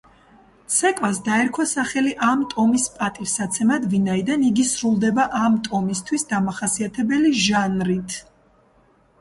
ცეკვას დაერქვა სახელი ამ ტომის პატივსაცემად, ვინაიდან იგი სრულდება ამ ტომისთვის დამახასიათებელი ჟანრით.